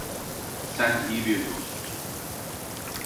Sen iyi bir dostsun.